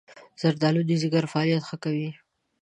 زردآلو د ځيګر فعالیت ښه کوي.